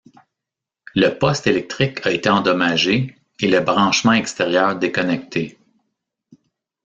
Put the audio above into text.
Le poste électrique a été endommagé et le branchement extérieur déconnecté.